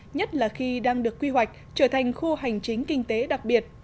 nhất là khi đang được quy hoạch trở thành khu hành chính kinh tế đặc biệt